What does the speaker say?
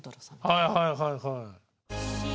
はいはいはいはい。